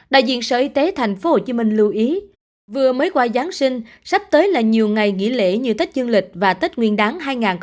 đại diện sở y tế tp hcm lưu ý vừa mới qua giáng sinh sắp tới là nhiều ngày nghỉ lễ như tết dương lịch và tết nguyên đáng hai nghìn hai mươi bốn